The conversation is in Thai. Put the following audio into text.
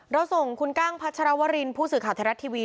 ส่งคุณกั้งพัชรวรินผู้สื่อข่าวไทยรัฐทีวี